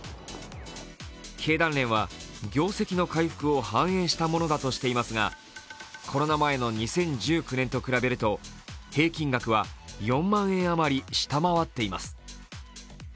経団連は、業績の回復を反映したものだとしていますがコロナ前の２０１９年と比べると平均額は４万円余り下回っています